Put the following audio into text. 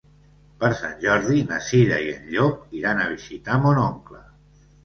Per Sant Jordi na Cira i en Llop iran a visitar mon oncle.